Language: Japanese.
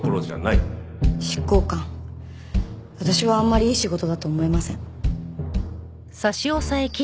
執行官私はあんまりいい仕事だと思えません。